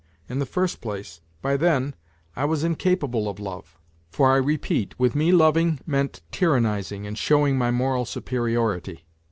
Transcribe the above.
In the first place, by then I was NOTES FROM UNDERGROUND 151 incapable of love, for I repeat, with me loving meant tyrannizing and showing my moral superiority.